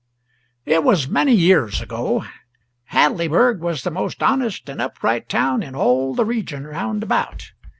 It was many years ago. Hadleyburg was the most honest and upright town in all the region round about.